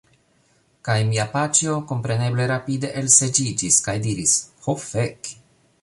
Kaj mia paĉjo, kompreneble, rapide elseĝiĝis, kaj diris: "Ho fek!"